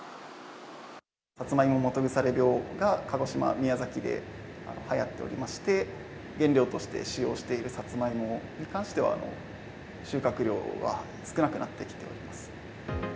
サツマイモ基腐病が鹿児島、宮崎ではやっておりまして、原料として使用しているサツマイモに関しては、収穫量は少なくなってきております。